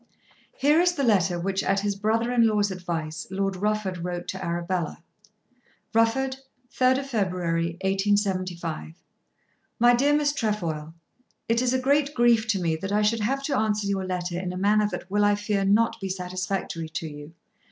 Here is the letter which at his brother in law's advice Lord Rufford wrote to Arabella: Rufford, 3 February, 1875. MY DEAR MISS TREFOIL, It is a great grief to me that I should have to answer your letter in a manner that will I fear not be satisfactory to you.